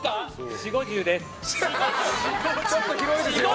４０５０です。